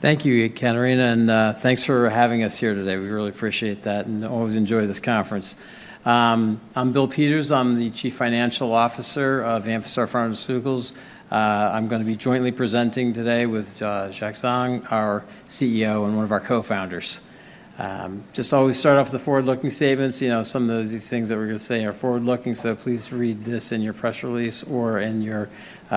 Thank you, Kathleen, and thanks for having us here today. We really appreciate that and always enjoy this conference. I'm Bill Peters. I'm the Chief Financial Officer of Amphastar Pharmaceuticals. I'm going to be jointly presenting today with Jack Zhang, our CEO, and one of our co-founders. Just always start off with the forward-looking statements. You know, some of these things that we're going to say are forward-looking, so please read this in your press release or in your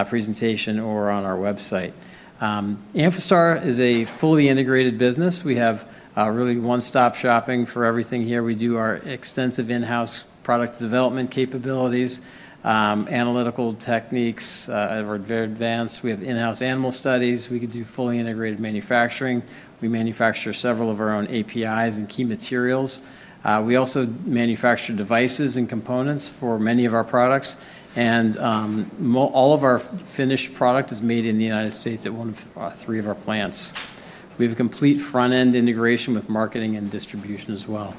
presentation or on our website. Amphastar is a fully integrated business. We have really one-stop shopping for everything here. We do our extensive in-house product development capabilities, analytical techniques that are very advanced. We have in-house animal studies. We can do fully integrated manufacturing. We manufacture several of our own APIs and key materials. We also manufacture devices and components for many of our products, and all of our finished product is made in the United States at one of three of our plants. We have a complete front-end integration with marketing and distribution as well.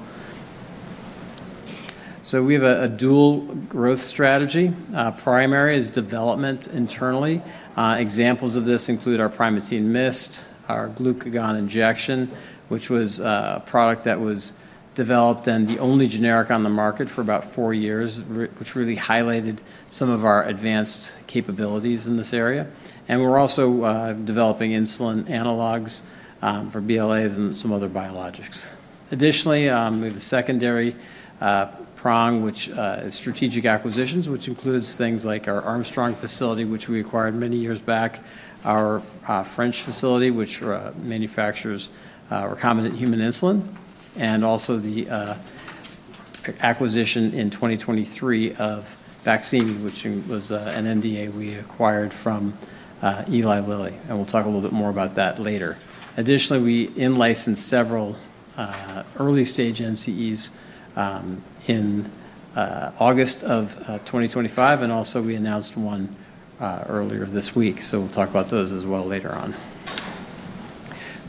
So we have a dual growth strategy. Primary is development internally. Examples of this include our Primatene Mist, our glucagon injection, which was a product that was developed and the only generic on the market for about four years, which really highlighted some of our advanced capabilities in this area, and we're also developing insulin analogs for BLAs and some other biologics. Additionally, we have a secondary prong, which is strategic acquisitions, which includes things like our Armstrong facility, which we acquired many years back, our French facility, which manufactures recombinant human insulin, and also the acquisition in 2023 of Baqsimi, which was an NDA we acquired from Eli Lilly, and we'll talk a little bit more about that later. Additionally, we licensed several early-stage NCEs in August of 2025, and also we announced one earlier this week, so we'll talk about those as well later on.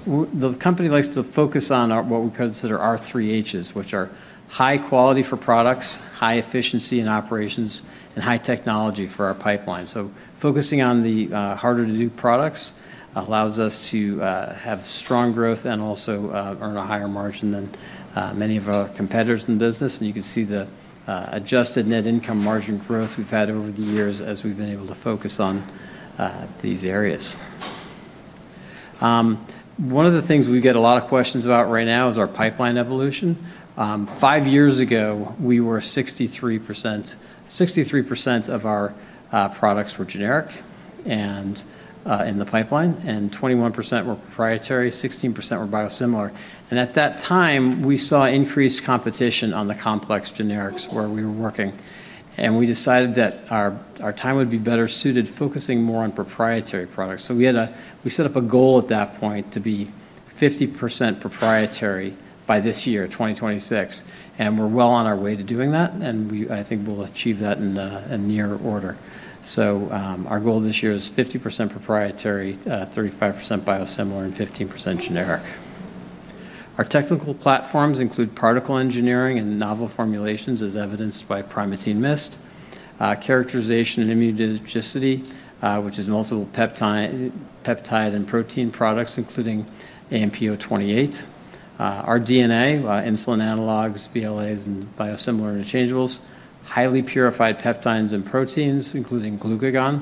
The company likes to focus on what we consider our Three H's, which are high quality for products, high efficiency in operations, and high technology for our pipeline. So focusing on the harder-to-do products allows us to have strong growth and also earn a higher margin than many of our competitors in the business, and you can see the adjusted net income margin growth we've had over the years as we've been able to focus on these areas. One of the things we get a lot of questions about right now is our pipeline evolution. Five years ago, we were 63% of our products were generic in the pipeline, and 21% were proprietary, 16% were biosimilar. And at that time, we saw increased competition on the complex generics where we were working, and we decided that our time would be better suited focusing more on proprietary products. So we set up a goal at that point to be 50% proprietary by this year, 2026, and we're well on our way to doing that, and I think we'll achieve that in short order. So our goal this year is 50% proprietary, 35% biosimilar, and 15% generic. Our technical platforms include particle engineering and novel formulations, as evidenced by Primatene Mist, characterization and immunogenicity, which is multiple peptide and protein products, including AMP-028 rDNA, insulin analogs, BLAs, and biosimilar interchangeables, highly purified peptides and proteins, including glucagon,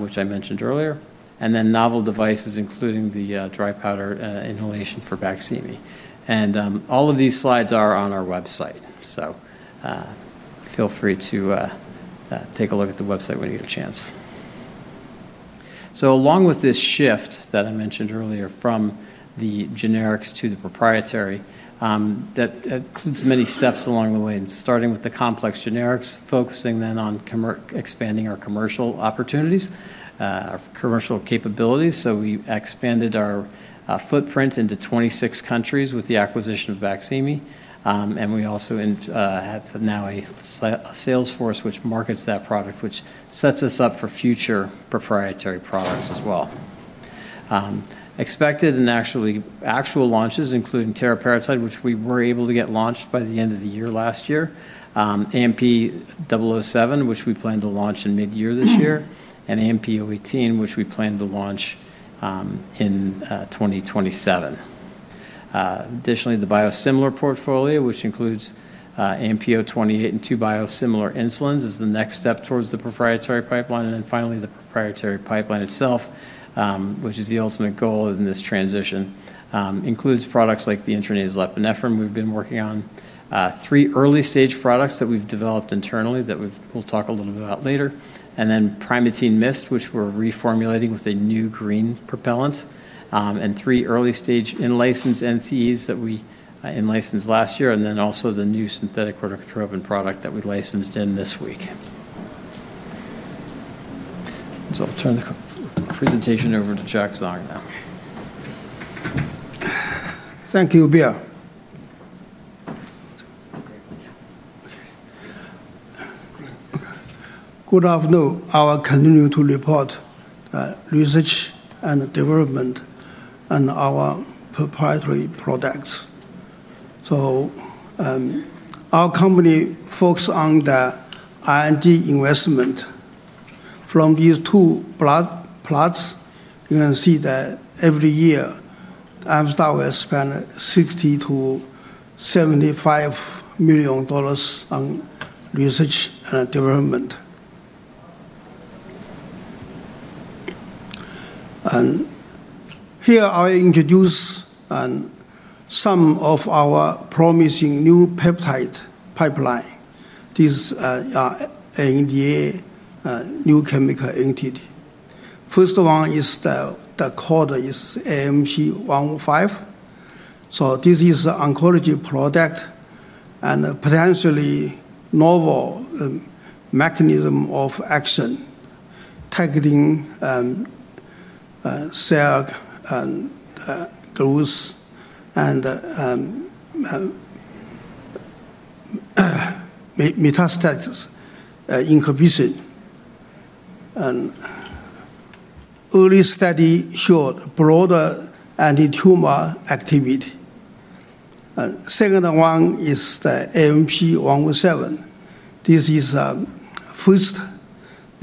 which I mentioned earlier, and then novel devices, including the dry powder inhalation for Baqsimi. And all of these slides are on our website, so feel free to take a look at the website when you get a chance. So along with this shift that I mentioned earlier from the generics to the proprietary, that includes many steps along the way, starting with the complex generics, focusing then on expanding our commercial opportunities, our commercial capabilities. So we expanded our footprint into 26 countries with the acquisition of Baqsimi, and we also have now a sales force which markets that product, which sets us up for future proprietary products as well. Expected and actual launches, including teriparatide, which we were able to get launched by the end of the year last year, AMP-007, which we plan to launch in mid-year this year, and AMP-018, which we plan to launch in 2027. Additionally, the biosimilar portfolio, which includes AMP-028 and two biosimilar insulins, is the next step towards the proprietary pipeline. And then finally, the proprietary pipeline itself, which is the ultimate goal in this transition, includes products like the intranasal epinephrine. We've been working on three early-stage products that we've developed internally that we'll talk a little bit about later, and then Primatene Mist, which we're reformulating with a new green propellant, and three early-stage in-licensed NCEs that we in-licensed last year, and then also the new synthetic corticotropin product that we licensed in this week. So I'll turn the presentation over to Jack Zhang now. Thank you, Bill. Good afternoon. I will continue to report research and development and our proprietary products. So our company focuses on the R&D investment. From these two plots, you can see that every year Amphastar will spend $60 million-$75 million on research and development. And here I introduce some of our promising new peptide pipeline. These are NDA new chemical entities. First one is the code is AMP-105. So this is an oncology product and a potentially novel mechanism of action, targeting cell growth and metastasis inhibition. Early study showed broader anti-tumor activity. Second one is the AMP-107. This is a first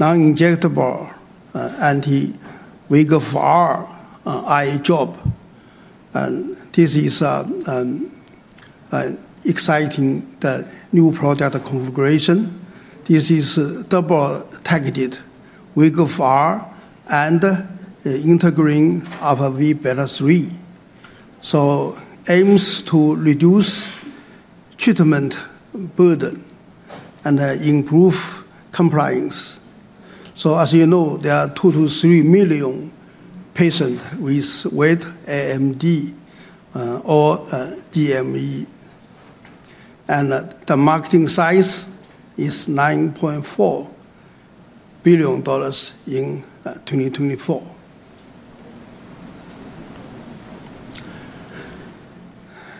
non-injectable anti-VEGFR eye drop. And this is exciting, the new product configuration. This is double-targeted VEGFR and integrin alpha-v beta-3. So aims to reduce treatment burden and improve compliance. As you know, there are two to three million patients with wet AMD or DME. The market size is $9.4 billion in 2024.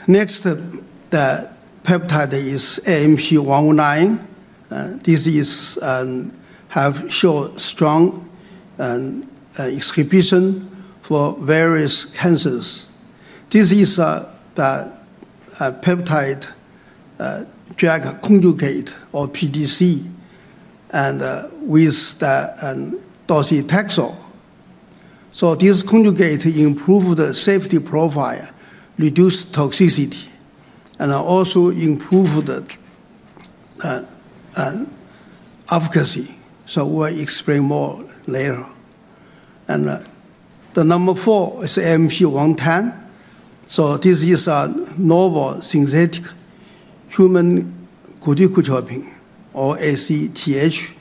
Next, the peptide is AMP-109. This has shown strong efficacy for various cancers. This is the peptide drug conjugate or PDC, and with the docetaxel. This conjugate improves the safety profile, reduces toxicity, and also improves the efficacy. We'll explain more later. The number four is AMP-110. This is a novel synthetic human corticotropin or ACTH.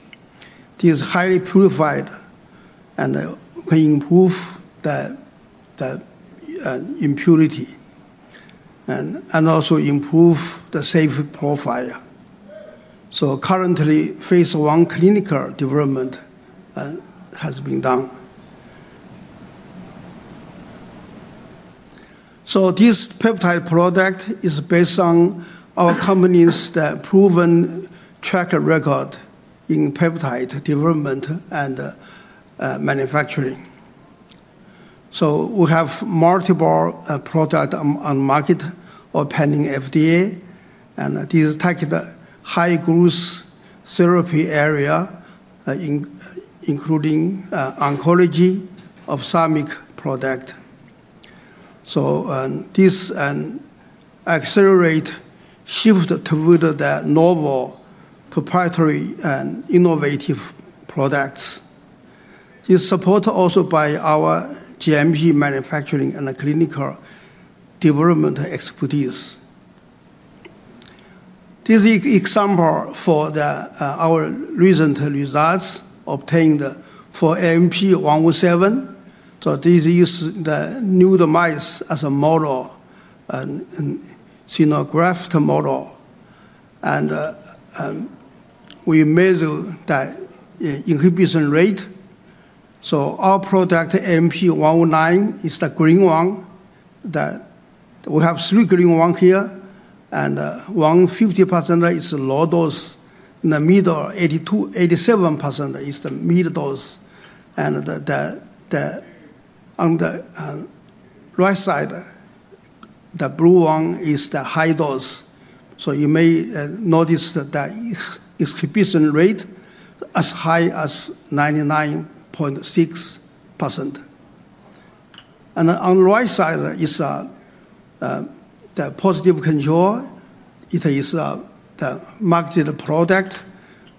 This is highly purified and can improve the impurity and also improve the safety profile. Currently, phase one clinical development has been done. This peptide product is based on our company's proven track record in peptide development and manufacturing. We have multiple products on the market or pending FDA, and these target high growth therapy area, including oncology ophthalmic product. This accelerates shift toward the novel proprietary and innovative products. This is supported also by our GMP manufacturing and clinical development expertise. This is an example for our recent results obtained for AMP-107. This is the nude mouse model, xenograft model, and we measure the inhibition rate. Our product AMP-109 is the green one. We have three green ones here, and 150% is low dose. In the middle, 87% is the mid dose. And on the right side, the blue one is the high dose. You may notice that inhibition rate as high as 99.6%. And on the right side is the positive control. It is the marketed product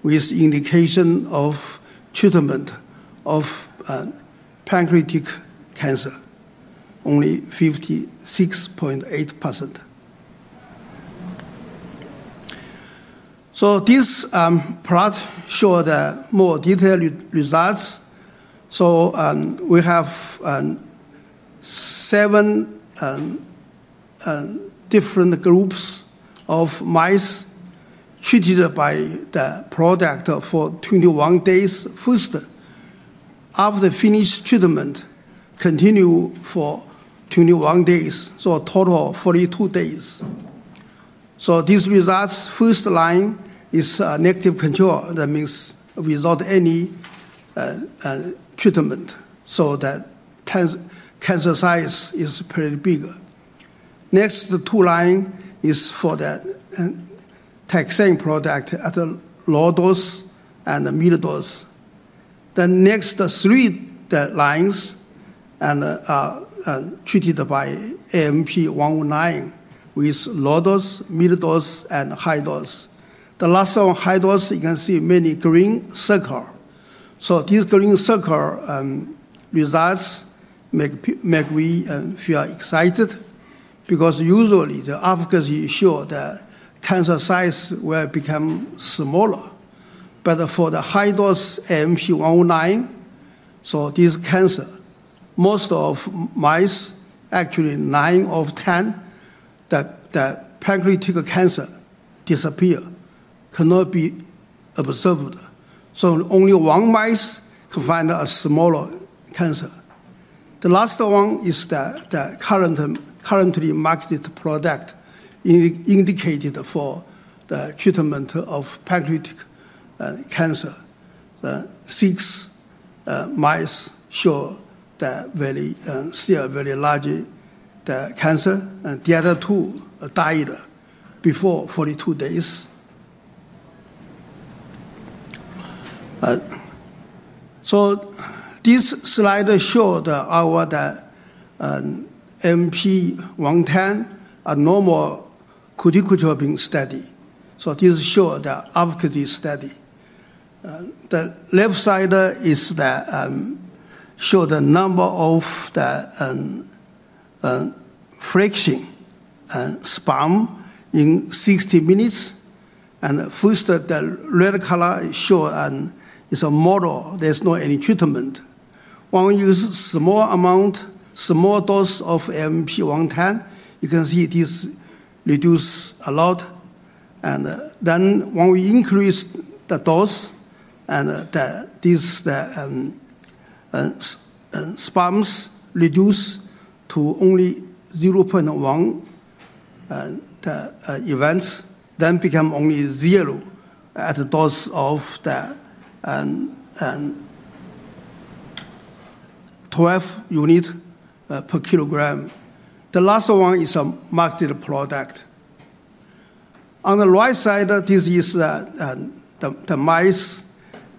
with indication of treatment of pancreatic cancer, only 56.8%. This plot shows the more detailed results. We have seven different groups of mice treated by the product for 21 days first. After finished treatment, continue for 21 days, so a total of 42 days. So these results, first line is negative control, that means without any treatment, so that cancer size is pretty big. Next, the two lines are for the taxane product at a low dose and a mid dose. Then next, the three lines are treated by AMP-109 with low dose, mid dose, and high dose. The last one, high dose, you can see many green circles. So these green circle results make me feel excited because usually the efficacy showed that cancer size will become smaller. But for the high dose AMP-109, so this cancer, most of mice, actually nine of 10, the pancreatic cancer disappeared, could not be observed. So only one mice could find a smaller cancer. The last one is the currently marketed product indicated for the treatment of pancreatic cancer. The six mice showed that very still very large cancer, and the other two died before 42 days. This slide showed our AMP-110, a novel corticotropin study. This showed the efficacy study. The left side showed the number of the flexion spasms in 60 minutes, and first the red color showed it's a model, there's no any treatment. When we use a small amount, small dose of AMP-110, you can see this reduces a lot. And then when we increase the dose, and these spasms reduce to only 0.1 events, then become only zero at a dose of 12 units per kilogram. The last one is a marketed product. On the right side, this is the mice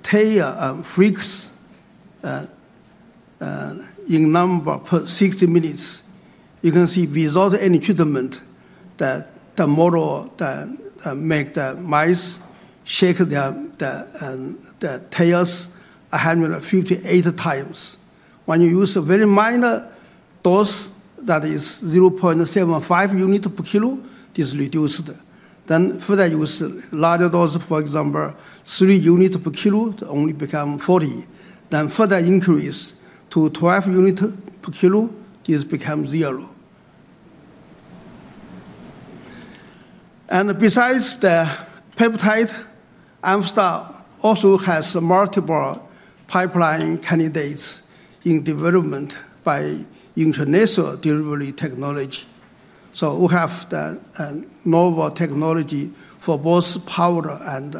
tail flicks in number per 60 minutes. You can see without any treatment that the model makes the mice shake the tails 158 times. When you use a very minor dose, that is 0.75 units per kilo, this reduced then further use a larger dose, for example, three units per kilo, it only becomes 40 then further increase to 12 units per kilo, this becomes zero and besides the peptide, Amphastar also has multiple pipeline candidates in development by inhalation delivery technology so we have the novel technology for both powder and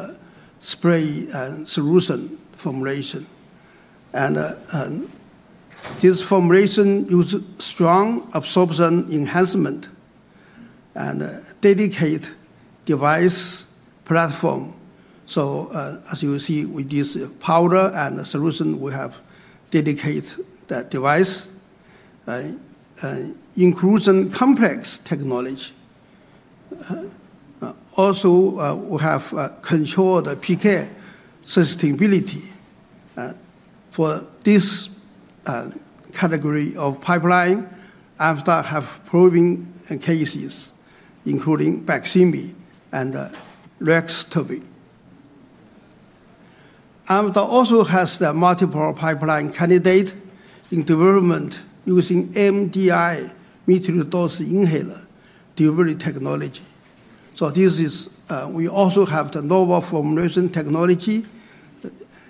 spray and solution formulation and this formulation uses strong absorption enhancement and dedicated device platform so as you see, with this powder and solution, we have dedicated device inclusion complex technology. Also, we have controlled PK sustainability. For this category of pipeline, Amphastar has proven cases, including Baqsimi and Forteo. Amphastar also has the multiple pipeline candidates in development using MDI metered dose inhaler delivery technology. We also have the novel formulation technology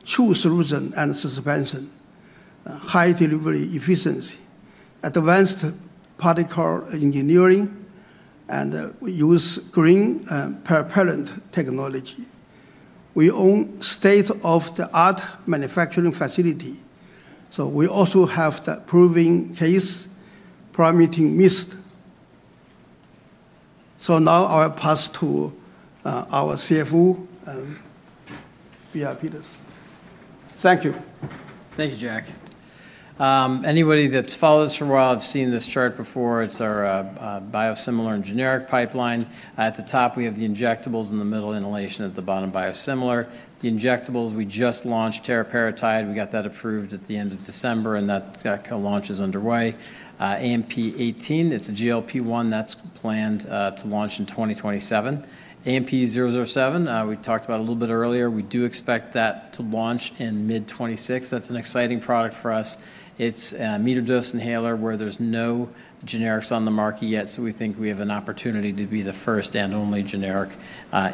for solution and suspension, high delivery efficiency, advanced particle engineering, and we use green propellant technology. We own state-of-the-art manufacturing facility. We also have the proven case Primatene Mist. Now I'll pass to our CFO, Bill Peters. Thank you. Thank you, Jack. Anybody that's followed us for a while, I've seen this chart before. It's our biosimilar and generic pipeline. At the top, we have the injectables; in the middle, inhalation; at the bottom, biosimilar. The injectables, we just launched teriparatide. We got that approved at the end of December, and that launch is underway. AMP-018, it's a GLP-1 that's planned to launch in 2027. AMP-007, we talked about a little bit earlier. We do expect that to launch in mid-2026. That's an exciting product for us. It's a metered dose inhaler where there's no generics on the market yet, so we think we have an opportunity to be the first and only generic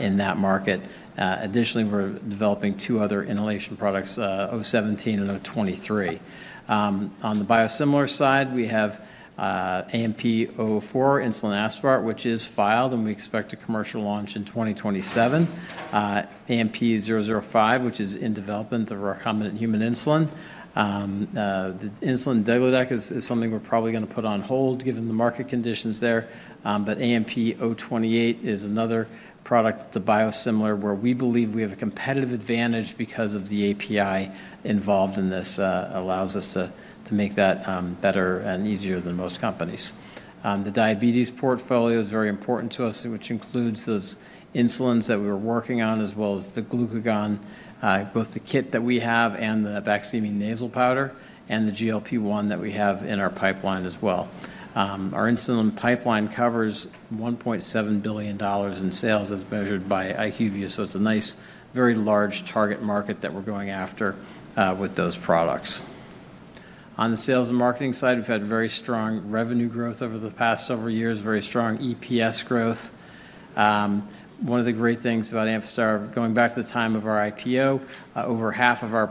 in that market. Additionally, we're developing two other inhalation products, AMP-017 and AMP-023. On the biosimilar side, we have AMP-004, insulin aspart, which is filed, and we expect a commercial launch in 2027. AMP-005, which is in development of our recombinant human insulin. The insulin degludec is something we're probably going to put on hold given the market conditions there. But AMP-028 is another product; it's a biosimilar where we believe we have a competitive advantage because of the API involved in this allows us to make that better and easier than most companies. The diabetes portfolio is very important to us, which includes those insulins that we were working on, as well as the glucagon, both the kit that we have and the Baqsimi nasal powder, and the GLP-1 that we have in our pipeline as well. Our insulin pipeline covers $1.7 billion in sales, as measured by IQVIA. So it's a nice, very large target market that we're going after with those products. On the sales and marketing side, we've had very strong revenue growth over the past several years, very strong EPS growth. One of the great things about Amphastar, going back to the time of our IPO, over half of our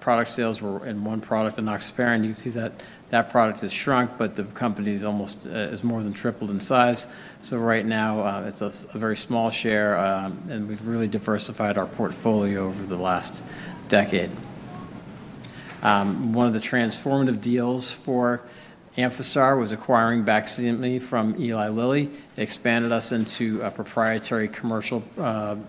product sales were in one product, enoxaparin. You can see that that product has shrunk, but the company is almost more than tripled in size. So right now, it's a very small share, and we've really diversified our portfolio over the last decade. One of the transformative deals for Amphastar was acquiring Baqsimi from Eli Lilly. It expanded us into proprietary commercial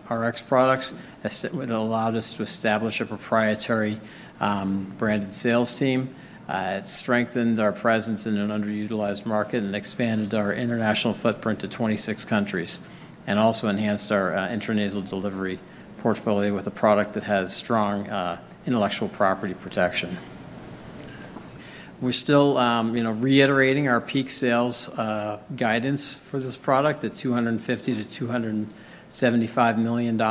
Rx products. It allowed us to establish a proprietary branded sales team. It strengthened our presence in an underutilized market and expanded our international footprint to 26 countries, and also enhanced our intranasal delivery portfolio with a product that has strong intellectual property protection. We're still reiterating our peak sales guidance for this product at $250-$275 million.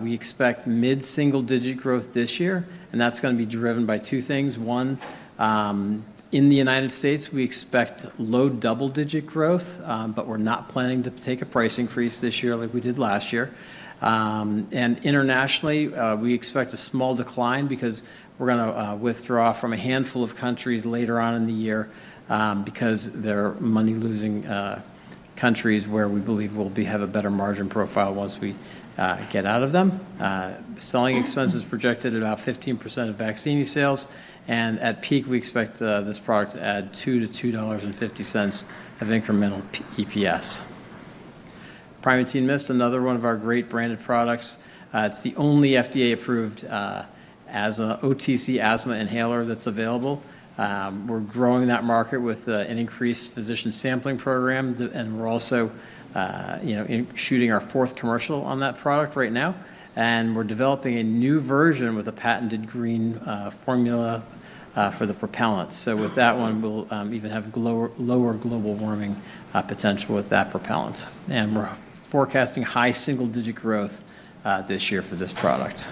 We expect mid-single digit growth this year, and that's going to be driven by two things. One, in the United States, we expect low double digit growth, but we're not planning to take a price increase this year like we did last year. And internationally, we expect a small decline because we're going to withdraw from a handful of countries later on in the year because they're money-losing countries where we believe we'll have a better margin profile once we get out of them. Selling expenses projected at about 15% of Baqsimi sales. And at peak, we expect this product to add $2-$2.50 of incremental EPS. Primatene Mist, another one of our great branded products. It's the only FDA-approved OTC asthma inhaler that's available. We're growing that market with an increased physician sampling program, and we're also shooting our fourth commercial on that product right now. And we're developing a new version with a patented green formula for the propellant. So with that one, we'll even have lower global warming potential with that propellant. And we're forecasting high single digit growth this year for this product.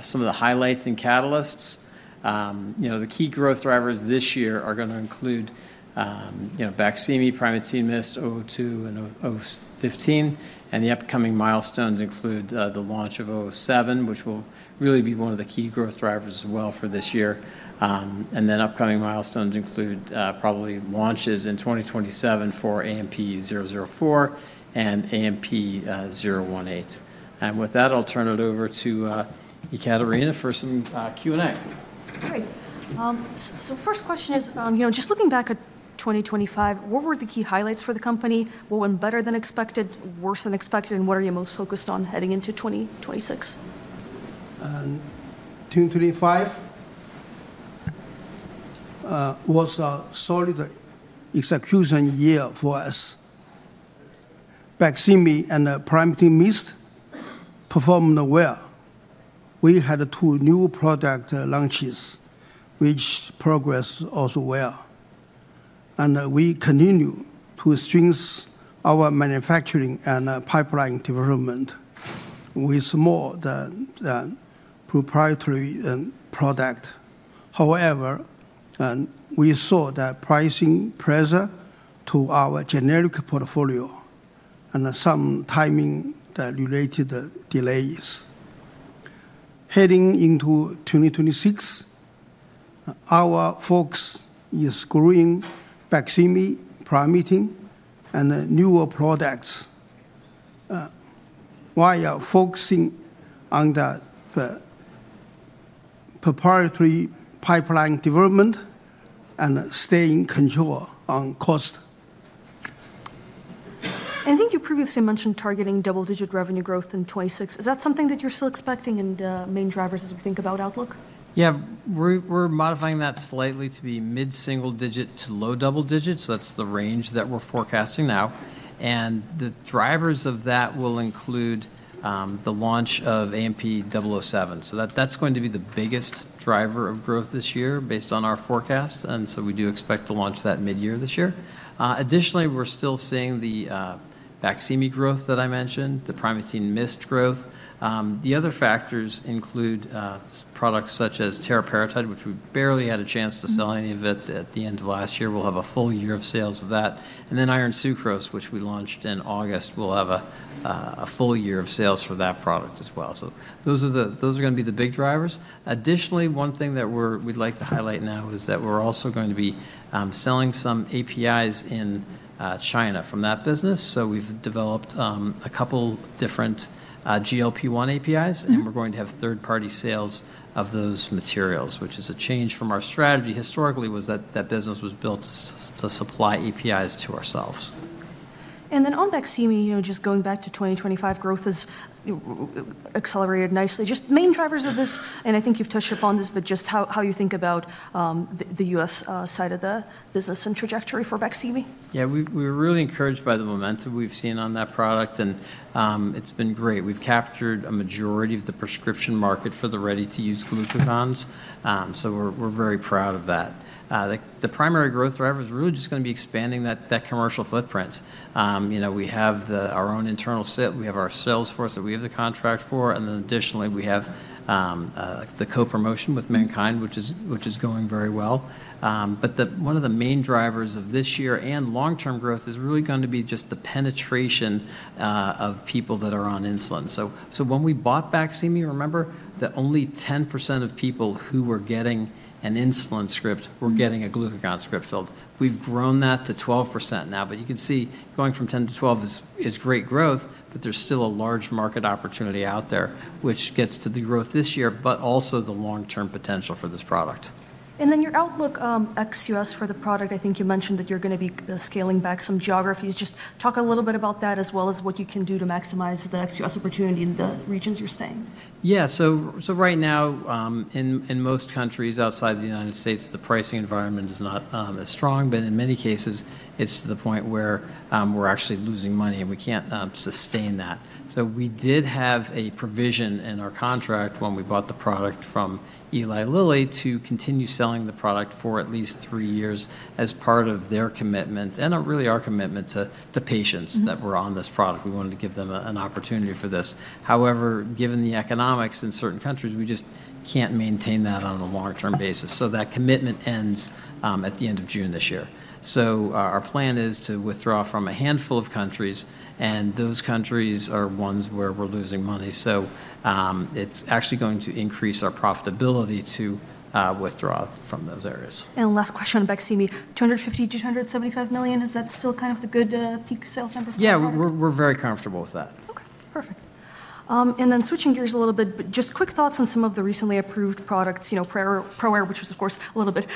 Some of the highlights and catalysts, the key growth drivers this year are going to include Baqsimi, Primatene Mist, AMP-002, and AMP-015. And the upcoming milestones include the launch of AMP-007, which will really be one of the key growth drivers as well for this year. And then upcoming milestones include probably launches in 2027 for AMP-004 and AMP-018. And with that, I'll turn it over to Ekaterina for some Q&A. All right. So first question is, just looking back at 2025, what were the key highlights for the company? What went better than expected, worse than expected, and what are you most focused on heading into 2026? 2025 was a solid execution year for us. Baqsimi and Primatene Mist performed well. We had two new product launches, which progressed also well. And we continue to strengthen our manufacturing and pipeline development with more than proprietary product. However, we saw the pricing pressure to our generic portfolio and some timing-related delays. Heading into 2026, our focus is growing Baqsimi, Primatene, and newer products while focusing on the proprietary pipeline development and staying in control on cost. I think you previously mentioned targeting double-digit revenue growth in 2026. Is that something that you're still expecting, and main drivers as we think about outlook? Yeah, we're modifying that slightly to be mid-single digit to low double digits. That's the range that we're forecasting now, and the drivers of that will include the launch of AMP-007. So that's going to be the biggest driver of growth this year based on our forecast, and so we do expect to launch that mid-year this year. Additionally, we're still seeing the vaccine growth that I mentioned, the Primatene Mist growth. The other factors include products such as teriparatide, which we barely had a chance to sell any of it at the end of last year. We'll have a full year of sales of that, and then iron sucrose, which we launched in August, we'll have a full year of sales for that product as well, so those are going to be the big drivers. Additionally, one thing that we'd like to highlight now is that we're also going to be selling some APIs in China from that business, so we've developed a couple different GLP-1 APIs, and we're going to have third-party sales of those materials, which is a change from our strategy historically, was that that business was built to supply APIs to ourselves. And then on Baqsimi, just going back to 2025, growth has accelerated nicely. Just main drivers of this, and I think you've touched upon this, but just how you think about the U.S. side of the business and trajectory for Baqsimi? Yeah, we're really encouraged by the momentum we've seen on that product, and it's been great. We've captured a majority of the prescription market for the ready-to-use glucagon. So we're very proud of that. The primary growth driver is really just going to be expanding that commercial footprint. We have our own internal SIT. We have our sales force that we have the contract for. And then additionally, we have the co-promotion with MannKind, which is going very well. But one of the main drivers of this year and long-term growth is really going to be just the penetration of people that are on insulin. So when we bought Baqsimi, you remember that only 10% of people who were getting an insulin script were getting a glucagon script filled. We've grown that to 12% now. But you can see going from 10 to 12 is great growth, but there's still a large market opportunity out there, which gets to the growth this year, but also the long-term potential for this product. And then your outlook ex U.S. for the product, I think you mentioned that you're going to be scaling back some geographies. Just talk a little bit about that as well as what you can do to maximize the ex U.S. opportunity in the regions you're staying. Yeah, so right now, in most countries outside the United States, the pricing environment is not as strong. But in many cases, it's to the point where we're actually losing money, and we can't sustain that. So we did have a provision in our contract when we bought the product from Eli Lilly to continue selling the product for at least three years as part of their commitment and really our commitment to patients that were on this product. We wanted to give them an opportunity for this. However, given the economics in certain countries, we just can't maintain that on a long-term basis. So that commitment ends at the end of June this year. So our plan is to withdraw from a handful of countries, and those countries are ones where we're losing money. So it's actually going to increase our profitability to withdraw from those areas. Last question on Baqsimi, $250-$275 million, is that still kind of the good peak sales number for you? Yeah, we're very comfortable with that. Okay, perfect. And then switching gears a little bit, but just quick thoughts on some of the recently approved products, ProAir, which was, of course, a little bit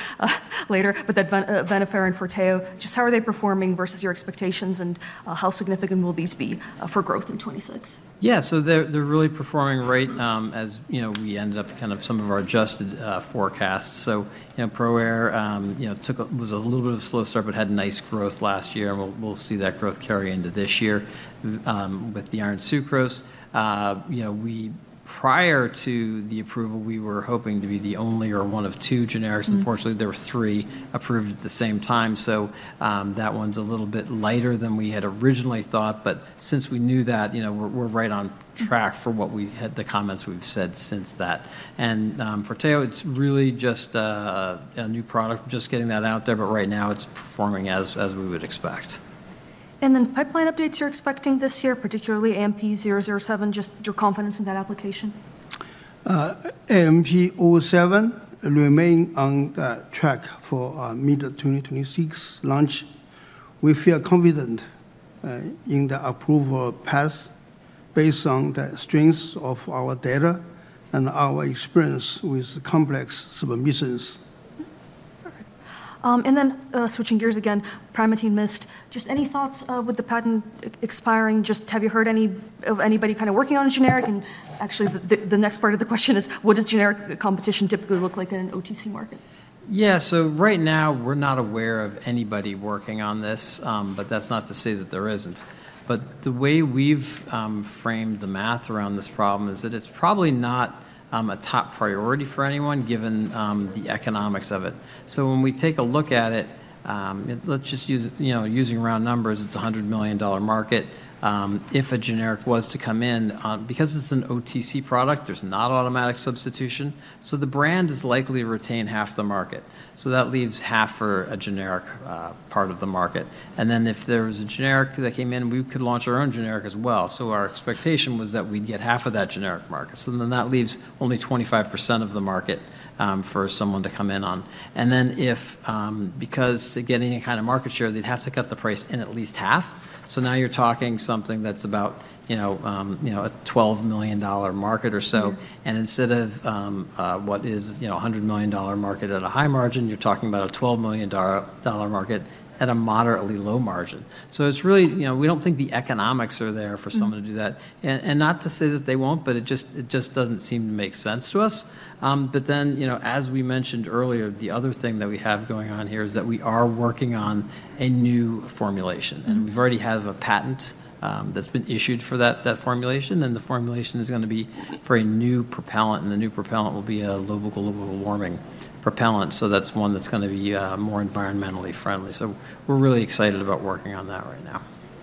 later, but then Venofer and Forteo, just how are they performing versus your expectations, and how significant will these be for growth in 2026? Yeah, so they're really performing right as we ended up kind of some of our adjusted forecasts. So ProAir took a little bit of a slow start, but had nice growth last year. And we'll see that growth carry into this year with the iron sucrose. Prior to the approval, we were hoping to be the only or one of two generics. Unfortunately, there were three approved at the same time. So that one's a little bit lighter than we had originally thought. But since we knew that, we're right on track for the comments we've said since that. And Forteo, it's really just a new product, just getting that out there. But right now, it's performing as we would expect. And then pipeline updates you're expecting this year, particularly AMP-007, just your confidence in that application? AMP-007 remains on the track for mid-2026 launch. We feel confident in the approval path based on the strength of our data and our experience with complex submissions. Perfect. And then switching gears again, Primatene Mist, just any thoughts with the patent expiring? Just have you heard of anybody kind of working on a generic? And actually, the next part of the question is, what does generic competition typically look like in an OTC market? Yeah, so right now, we're not aware of anybody working on this, but that's not to say that there isn't. But the way we've framed the math around this problem is that it's probably not a top priority for anyone given the economics of it. So when we take a look at it, let's just use round numbers, it's a $100 million market. If a generic was to come in, because it's an OTC product, there's not automatic substitution. So the brand is likely to retain half the market. So that leaves half for a generic part of the market. And then if there was a generic that came in, we could launch our own generic as well. So our expectation was that we'd get half of that generic market. So then that leaves only 25% of the market for someone to come in on. To get any kind of market share, they'd have to cut the price in at least half. So now you're talking something that's about a $12 million market or so. And instead of what is a $100 million market at a high margin, you're talking about a $12 million market at a moderately low margin. So it's really, we don't think the economics are there for someone to do that. And not to say that they won't, but it just doesn't seem to make sense to us. But then, as we mentioned earlier, the other thing that we have going on here is that we are working on a new formulation. And we've already had a patent that's been issued for that formulation. And the formulation is going to be for a new propellant. And the new propellant will be a global warming propellant. So that's one that's going to be more environmentally friendly. So we're really excited about working on that right now.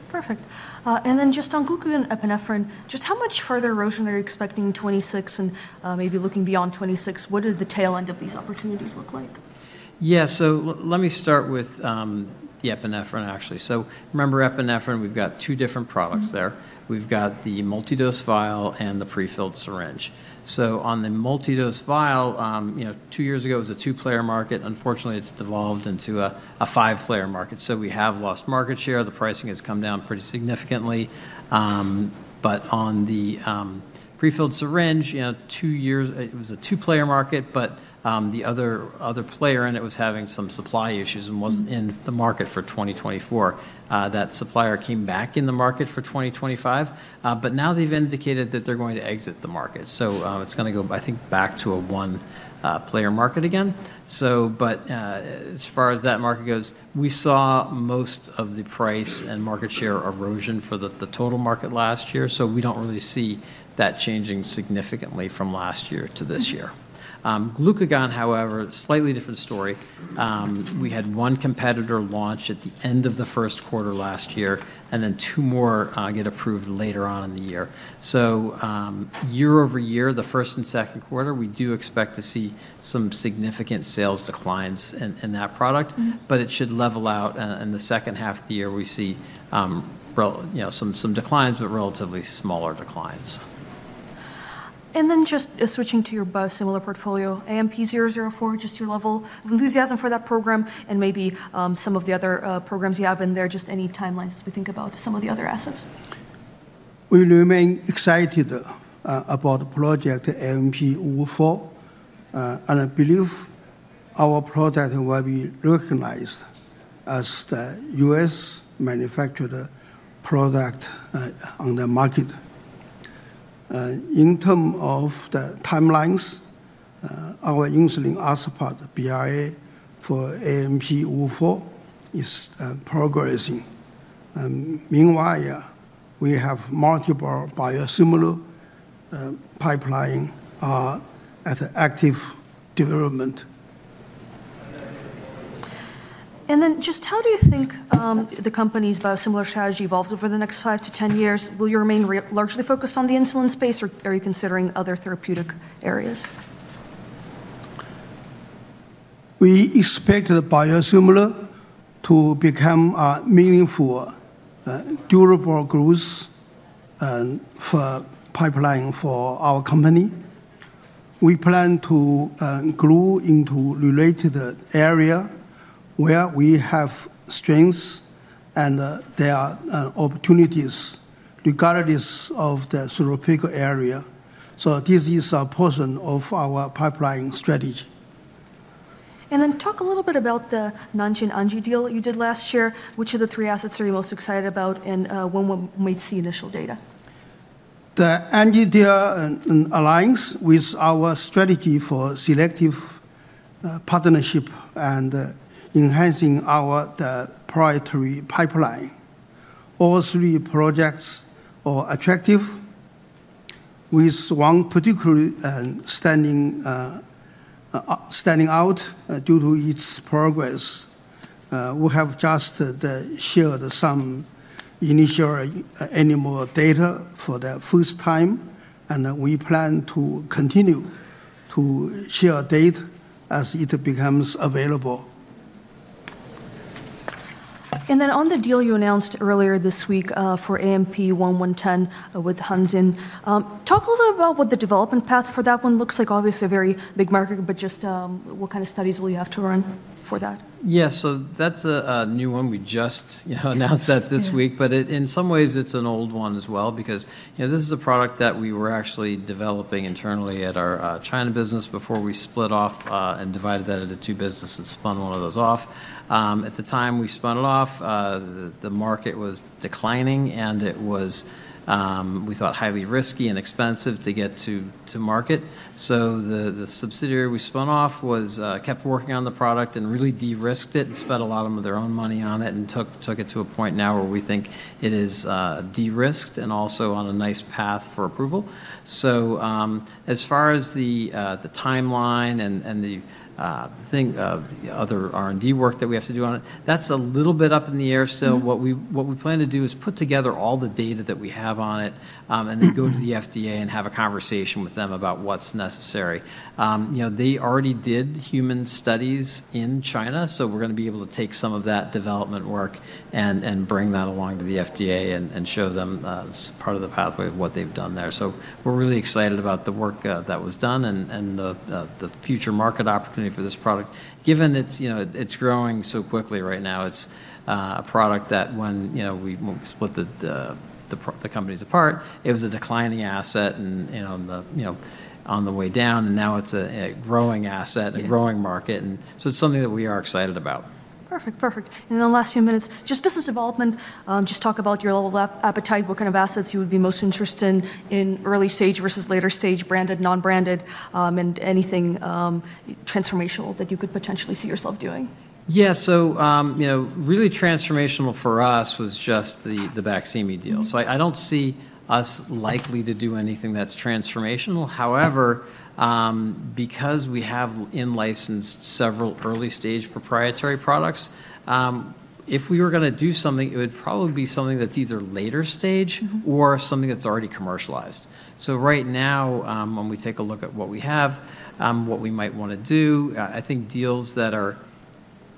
Perfect. Then just on glucagon and epinephrine, just how much further erosion are you expecting in 2026 and maybe looking beyond 2026? What does the tail end of these opportunities look like? Yeah, so let me start with the epinephrine, actually. So remember epinephrine, we've got two different products there. We've got the multidose vial and the prefilled syringe. So on the multidose vial, two years ago it was a two-player market. Unfortunately, it's devolved into a five-player market. So we have lost market share. The pricing has come down pretty significantly. But on the prefilled syringe, two years, it was a two-player market, but the other player in it was having some supply issues and wasn't in the market for 2024. That supplier came back in the market for 2025. But now they've indicated that they're going to exit the market. So it's going to go, I think, back to a one-player market again. But as far as that market goes, we saw most of the price and market share erosion for the total market last year. So we don't really see that changing significantly from last year to this year. Glucagon, however, slightly different story. We had one competitor launch at the end of the first quarter last year and then two more get approved later on in the year. So year over year, the first and second quarter, we do expect to see some significant sales declines in that product. But it should level out. In the second half of the year, we see some declines, but relatively smaller declines. And then just switching to your biosimilar portfolio, AMP-004, just your level of enthusiasm for that program and maybe some of the other programs you have in there, just any timelines as we think about some of the other assets? We remain excited about the project AMP-004, and I believe our product will be recognized as the U.S. manufactured product on the market. In terms of the timelines, our insulin aspart BLA for AMP-004 is progressing. Meanwhile, we have multiple biosimilar pipelines in active development. Just how do you think the company's biosimilar strategy evolves over the next five to 10 years? Will you remain largely focused on the insulin space, or are you considering other therapeutic areas? We expect the biosimilar to become a meaningful, durable growth pipeline for our company. We plan to grow into related areas where we have strengths and there are opportunities regardless of the therapeutic area. So this is a portion of our pipeline strategy. And then talk a little bit about the Nanjing-Anji deal that you did last year. Which of the three assets are you most excited about and when we might see initial data? The Anji deal aligns with our strategy for selective partnership and enhancing our proprietary pipeline. All three projects are attractive, with one particularly standing out due to its progress. We have just shared some initial animal data for the first time, and we plan to continue to share data as it becomes available. Then on the deal you announced earlier this week for AMP-110 with Hanxin, talk a little about what the development path for that one looks like. Obviously, a very big market, but just what kind of studies will you have to run for that? Yeah, so that's a new one. We just announced that this week. But in some ways, it's an old one as well because this is a product that we were actually developing internally at our China business before we split off and divided that into two businesses and spun one of those off. At the time we spun it off, the market was declining, and it was, we thought, highly risky and expensive to get to market. So the subsidiary we spun off kept working on the product and really de-risked it and spent a lot of their own money on it and took it to a point now where we think it is de-risked and also on a nice path for approval. So as far as the timeline and the other R&D work that we have to do on it, that's a little bit up in the air still. What we plan to do is put together all the data that we have on it and then go to the FDA and have a conversation with them about what's necessary. They already did human studies in China, so we're going to be able to take some of that development work and bring that along to the FDA and show them part of the pathway of what they've done there, so we're really excited about the work that was done and the future market opportunity for this product. Given it's growing so quickly right now, it's a product that when we split the companies apart, it was a declining asset and on the way down, and now it's a growing asset and a growing market, and so it's something that we are excited about. Perfect, perfect. And then the last few minutes, just business development, just talk about your level of appetite, what kind of assets you would be most interested in, in early stage versus later stage, branded, non-branded, and anything transformational that you could potentially see yourself doing. Yeah, so really transformational for us was just the Baqsimi deal. So I don't see us likely to do anything that's transformational. However, because we have in-licensed several early stage proprietary products, if we were going to do something, it would probably be something that's either later stage or something that's already commercialized. So right now, when we take a look at what we have, what we might want to do, I think deals that are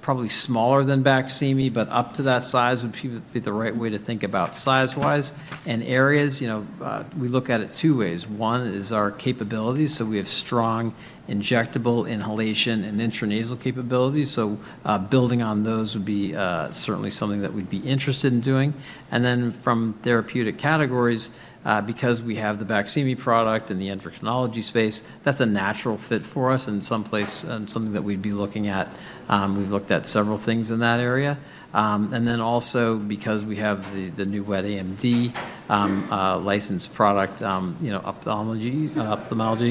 probably smaller than Baqsimi, but up to that size would be the right way to think about size-wise. And areas, we look at it two ways. One is our capabilities. So we have strong injectable inhalation and intranasal capabilities. So building on those would be certainly something that we'd be interested in doing. And then from therapeutic categories, because we have the Baqsimi and the endocrinology space, that's a natural fit for us and something that we'd be looking at. We've looked at several things in that area. And then also because we have the new Wet AMD licensed product, ophthalmology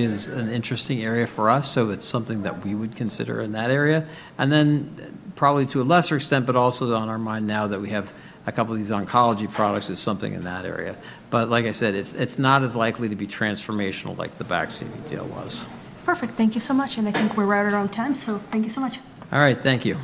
is an interesting area for us. So it's something that we would consider in that area. And then probably to a lesser extent, but also on our mind now that we have a couple of these oncology products, it's something in that area. But like I said, it's not as likely to be transformational like the Baqsimi deal was. Perfect. Thank you so much, and I think we're right around time, so thank you so much. All right, thank you.